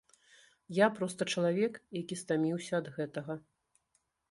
Я проста чалавек, які стаміўся ад гэтага.